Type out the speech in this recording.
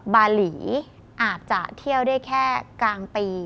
บาหลีอาจจะเที่ยวได้แค่กลางปี